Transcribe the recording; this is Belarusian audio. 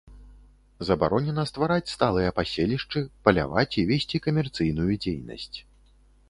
Забаронена ствараць сталыя паселішчы, паляваць і весці камерцыйную дзейнасць.